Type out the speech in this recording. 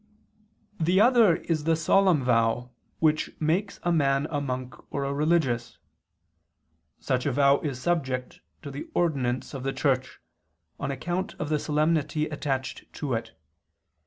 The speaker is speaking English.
The other is the solemn vow which makes a man a monk or a religious. Such a vow is subject to the ordinance of the Church, on account of the solemnity attached to it.